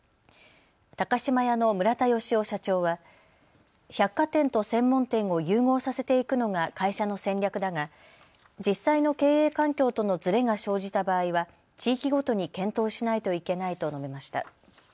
高島屋の村田善郎社長は百貨店と専門店を融合させていくのが会社の戦略だが実際の経営環境とのずれが生じた場合は地域ごとに検討しないといけないと述べました。